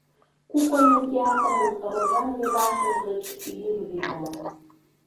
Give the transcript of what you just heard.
Кукольный театрын рожан левашыже гыч йӱр вита.